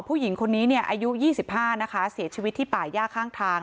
ผู้หญิงคนนี้เนี่ยอายุ๒๕นะคะเสียชีวิตที่ป่าย่าข้างทาง